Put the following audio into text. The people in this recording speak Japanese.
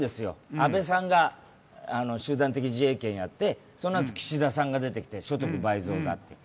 安倍さんが集団的自衛権やってそのあと岸田さんが出てきて所得倍増だと。